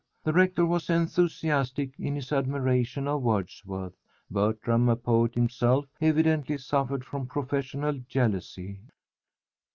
The rector was enthusiastic in his admiration of Wordsworth. Bertram, a poet himself, evidently suffered from professional jealousy.